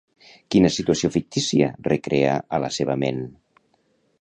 Quina situació fictícia recrea a la seva ment?